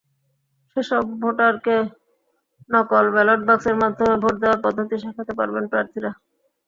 সেসব ভোটারকে নকল ব্যালট বাক্সের মাধ্যমে ভোট দেওয়ার পদ্ধতি শেখাতে পারবেন প্রার্থীরা।